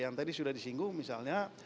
yang tadi sudah disinggung misalnya